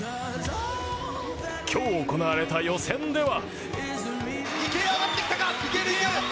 今日行われた予選では。